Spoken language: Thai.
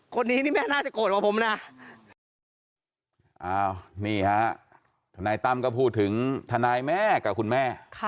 คนนี้แม่น่าจะโกรธกว่าผมนะ